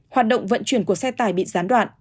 hoạt động vận chuyển của xe tải bị gián đoạn